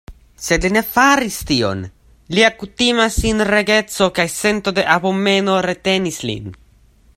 Sed li ne faris tion; lia kutima sinregeco kaj sento de abomeno retenis lin.